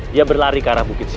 dia berlari ke arah bukit